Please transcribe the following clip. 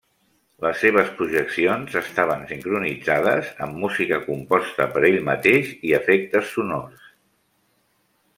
Les seves projeccions estaven sincronitzades amb música composta per ell mateix i efectes sonors.